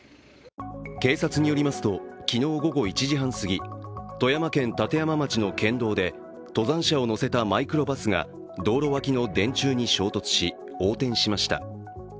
警察によりますと、昨日午後１時半すぎ富山県立山町の県道で、登山者を乗せたマイクロバスが道路脇の電柱に衝突し横転しました。